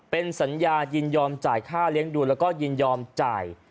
เป็นสัญญายินยอมจ่ายค่าเลี้ยงดูแล้วก็ยินยอมจ่าย